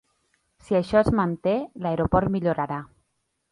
Si això es manté, l’aeroport millorarà.